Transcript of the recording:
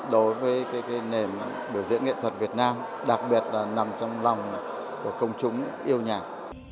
đối với nền biểu diễn nghệ thuật việt nam đặc biệt là nằm trong lòng của công chúng yêu nhạc